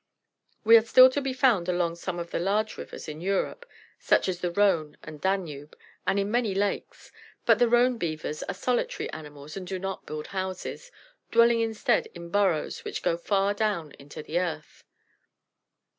We are still to be found along some of the large rivers of Europe, such as the Rhone and Danube, and in many lakes; but the Rhone Beavers are solitary animals and do not build houses, dwelling instead in burrows, which go far down into the earth."